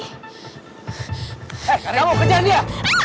eh karin kamu kejar dia